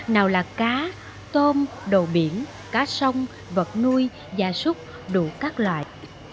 nào là cá tôm đồ biển cá sông vật nuôi gia súc đủ các loại